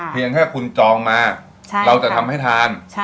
เพียงแค่คุณจองมาเราจะทำให้ทาน